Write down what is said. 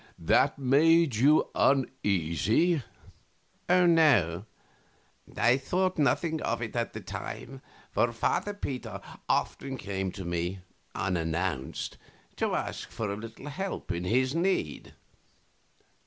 Q. That made you uneasy? A. No; I thought nothing of it at the time, for Father Peter often came to me unannounced to ask for a little help in his need.